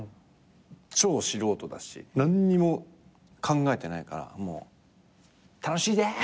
超素人だし何にも考えてないから楽しいです！